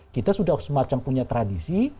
kita sudah semacam punya tradisi